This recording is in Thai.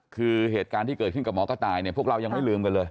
คือเหตุการณ์ที่เกิดขึ้นกับหมอกระต่ายเนี่ยพวกเรายังไม่ลืมกันเลย